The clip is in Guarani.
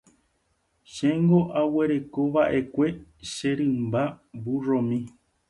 Chéngo arekova'ekue che rymba vurromi.